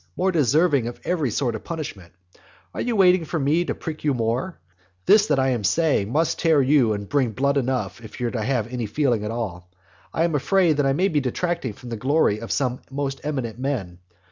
more deserving of every sort of punishment? Are you waiting for me to prick you more? This that I am saying must tear you and bring blood enough if you have any feeling at all. I am afraid that I may be detracting from the glory of some most eminent men.